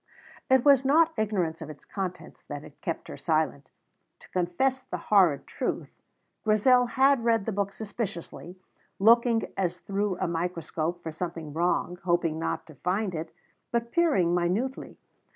It was not ignorance of its contents that had kept her silent. To confess the horrid truth, Grizel had read the book suspiciously, looking as through a microscope for something wrong hoping not to find it, but peering minutely.